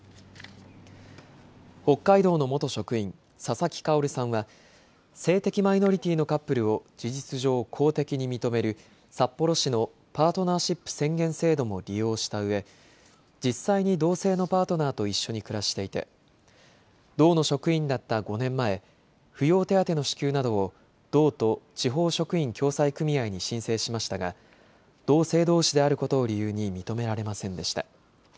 北海道の元職員、佐々木カヲルさんは性的マイノリティーのカップルを事実上、公的に認める札幌市のパートナーシップ宣言制度も利用したうえで実際に同性のパートナーと一緒に暮らしていて道の職員だった５年前、扶養手当の支給などを道と地方職員共済組合に申請しましたが、同性どうしであることを理由に認められませんでした。